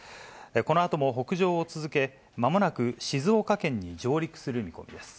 このあとも北上を続け、まもなく静岡県に上陸する見込みです。